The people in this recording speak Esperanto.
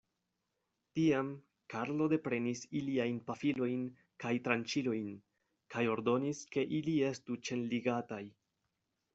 Tiam Karlo deprenis iliajn pafilojn kaj tranĉilojn, kaj ordonis, ke ili estu ĉenligataj.